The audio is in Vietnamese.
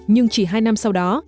nhưng chỉ hai năm sau đó